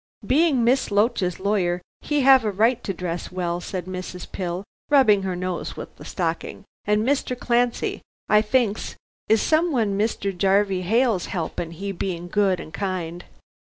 "Being Miss Loach's lawyer, he have a right to dress well," said Mrs. Pill, rubbing her nose with the stocking, "and Mr. Clancy, I thinks, is someone Mr. Jarvey Hale's helpin', he being good and kind."